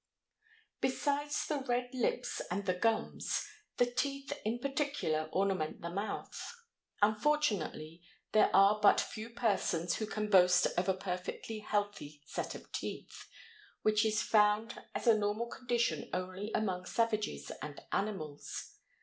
Besides the red lips and the gums, the teeth in particular ornament the mouth. Unfortunately there are but few persons who can boast of a perfectly healthy set of teeth, which is found as a normal condition only among savages and animals.